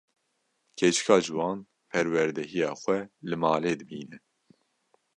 Keçika ciwan, perwerdehiya xwe li malê dibîne